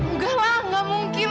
enggak lah gak mungkin